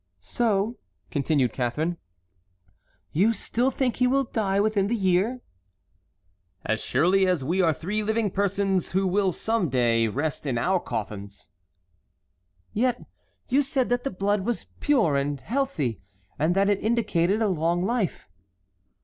"So," continued Catharine, "you still think he will die within the year?" "As surely as we are three living persons who some day will rest in our coffins." "Yet you said that the blood was pure and healthy, and that it indicated a long life."